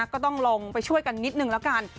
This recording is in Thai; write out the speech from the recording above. ก็ต้องลงไปช่วยกันนิดนึงแล้วกัน